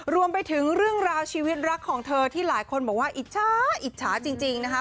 รวมไปถึงเรื่องราวชีวิตรักของเธอที่หลายคนบอกว่าอิจฉาอิจฉาจริงนะคะ